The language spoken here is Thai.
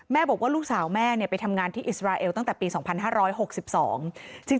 บอกว่าลูกสาวแม่เนี่ยไปทำงานที่อิสราเอลตั้งแต่ปีสองพันห้าร้อยหกสิบสอง